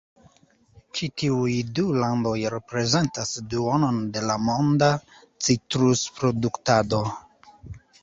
Ĉi tiuj du landoj reprezentas duonon de la monda citrusproduktado.